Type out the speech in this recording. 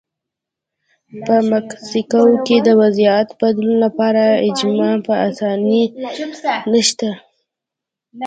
په مکسیکو کې د وضعیت بدلون لپاره اجماع په اسانۍ نشته.